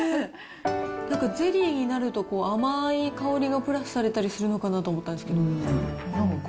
なんかゼリーになると、甘い香りがプラスされたりするのかなと思ったんですけど。